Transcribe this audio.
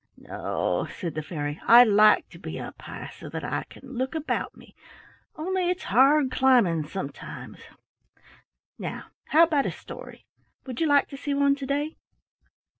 "No," said the fairy, "I like to be up high so that I can look about me, only it's hard climbing sometimes. Now, how about a story? Would you like to see one to day?"